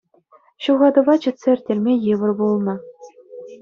Ҫухатӑва чӑтса ирттерме йывӑр пулнӑ.